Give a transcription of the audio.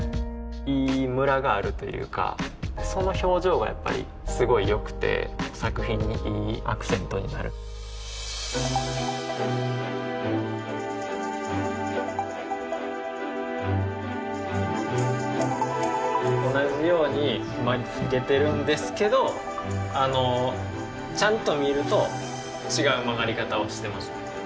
いいムラがあるというかその表情がやっぱりすごい良くて作品にいいアクセントになる同じように曲げてるんですけどちゃんと見ると違う曲がり方をしてます